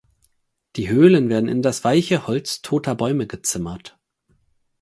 Die Höhlen werden in das weiche Holz toter Bäume gezimmert.